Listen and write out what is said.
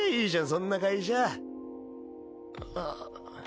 そんな会社あっ。